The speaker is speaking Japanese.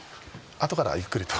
後からゆっくりと。